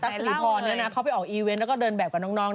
ตั๊กสติพรเนี่ยนะเขาไปออกอีเวนต์แล้วก็เดินแบบกับน้อง